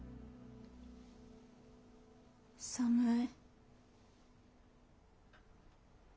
寒い。